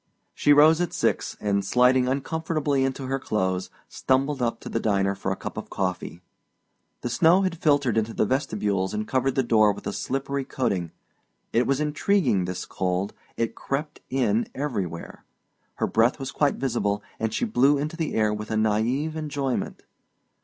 She rose at six and sliding uncomfortably into her clothes stumbled up to the diner for a cup of coffee. The snow had filtered into the vestibules and covered the door with a slippery coating. It was intriguing this cold, it crept in everywhere. Her breath was quite visible and she blew into the air with a naïve enjoyment.